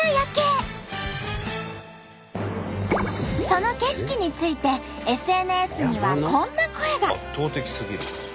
その景色についてＳＮＳにはこんな声が。